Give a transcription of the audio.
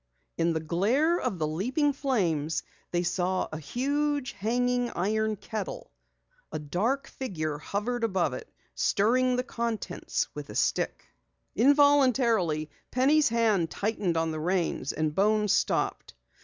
In the glare of the leaping flames they saw a huge, hanging iron kettle. A dark figure hovered over it, stirring the contents with a stick. Involuntarily, Penny's hand tightened on the reins and Bones stopped.